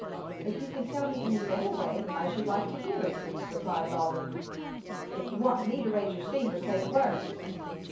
If you can tell me any better way, I should like to hear it," replied Lawry. " If you want me to raise your steamer, say the word."